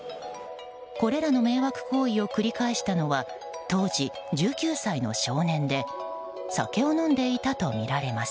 これらの迷惑行為を繰り返したのは当時１９歳の少年で酒を飲んでいたとみられます。